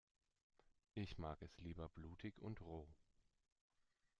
Ich mag es lieber blutig und roh.